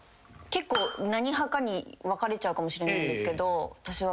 結構何派かに分かれちゃうかもしれないんですけど私は。